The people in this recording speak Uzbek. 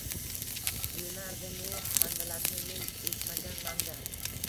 – Ilinardim-u, handalakni men ekmaganman-da